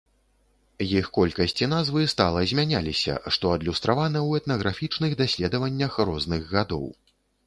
Іх колькасць і назвы стала змяняліся, што адлюстравана ў этнаграфічных даследаваннях розных гадоў.